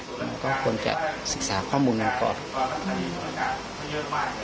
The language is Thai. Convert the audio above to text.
มันก็ควรจะศึกษาข้อมูลนั้นก่อนอืม